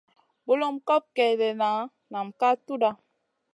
Bulum kot kègèna nam ka tudha.